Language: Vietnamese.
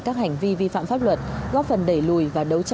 các hành vi vi phạm pháp luật góp phần đẩy lùi